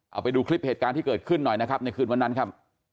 เอาไปดูคลิปเหตุการณ์ที่เกิดขึ้นหน่อยนะครับในคืนวันนั้นครับ